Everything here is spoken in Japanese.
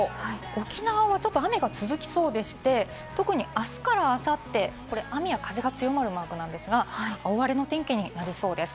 沖縄はちょっと雨が続きそうでして、特にあすからあさって、雨や風が強まるマークなんですが、大荒れの天気になりそうです。